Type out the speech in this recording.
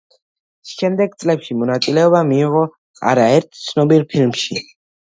შემდეგ წლებში მონაწილეობა მიიღო არაერთ ცნობილ ფილმში.